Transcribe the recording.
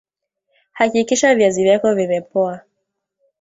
hakikisha viazi vyako vimepoa